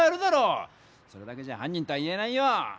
それだけじゃ犯人とは言えないよ！